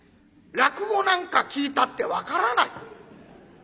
落語なんか聴いたって分からない。